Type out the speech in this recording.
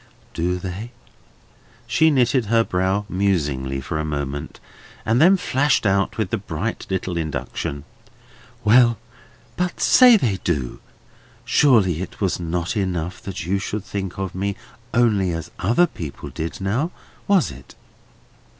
"Do they?" She knitted her brow musingly for a moment, and then flashed out with the bright little induction: "Well, but say they do. Surely it was not enough that you should think of me only as other people did; now, was it?"